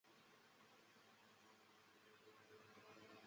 检察官业绩考评